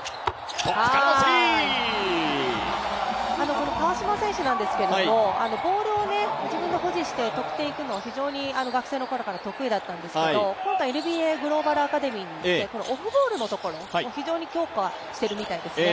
この川島選手なんですけども、ボールで自分で保持して得点にいくのが非常に学生のころから得意だったんですけど、今回ＮＢＡグローバルアカデミーに行ってオフボールのところを非常に強化しているみたいですね。